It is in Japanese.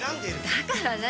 だから何？